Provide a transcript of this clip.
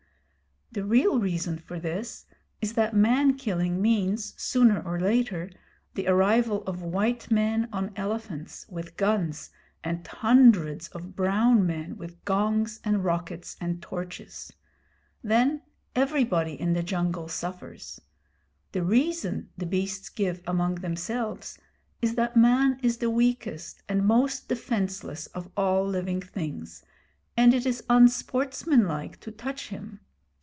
The real reason for this is that man killing means, sooner or later, the arrival of white men on elephants, with guns, and hundreds of brown men with gongs and rockets and torches. Then everybody in the jungle suffers. The reason the beasts give among themselves is that Man is the weakest and most defenceless of all living things, and it is unsportsmanlike to touch him.